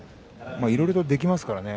いろいろできますからね。